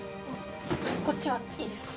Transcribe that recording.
じゃあこっちはいいですか？